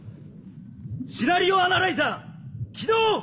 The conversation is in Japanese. シナリオ・アナライザー起動！